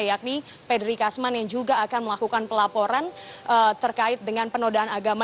yakni pedri kasman yang juga akan melakukan pelaporan terkait dengan penodaan agama